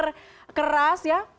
bikin mikir keras ya